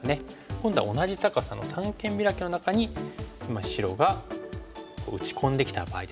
今度は同じ高さの三間ビラキの中に今白が打ち込んできた場合ですね。